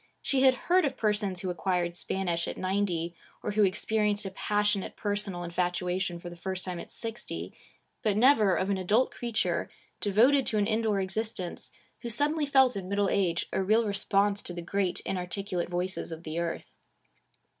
She had heard of persons who acquired Spanish at ninety, or who experienced a passionate personal infatuation for the first time at sixty, but never of an adult creature, devoted to an indoor existence, who suddenly felt in middle age a real response to the great inarticulate voices of the earth.